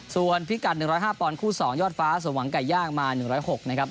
ส่วนพิกัด๑๐๕ปอนด์คู่๒ยอดฟ้าสมหวังไก่ย่างมา๑๐๖นะครับ